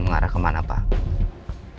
mengarah kemana pak